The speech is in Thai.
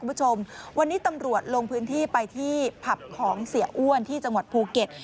คุณผู้ชมวันนี้ตำรวจลงพื้นที่ไปที่ผับของเสียอ้วนที่จังหวัดภูเก็ต